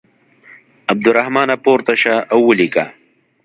عبدالرحمانه پورته شه او ولیکه.